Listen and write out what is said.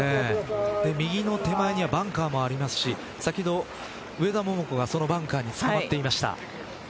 右の手前にはバンカーもありますし先ほど上田桃子がそのバンカーにつかまっていました。